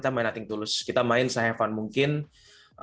yang penting kita bisa performa